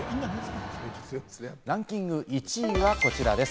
ランキング１位はこちらです。